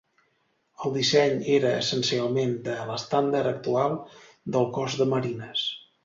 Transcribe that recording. El disseny era essencialment el de l'estàndard actual del Cos de Marines.